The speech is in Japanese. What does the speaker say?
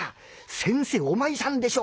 先生お前さんでしょ。